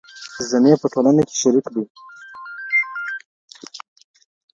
ذمي په ټولنه کي شریک دی.